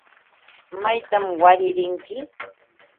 ¿Maytan wara rinki?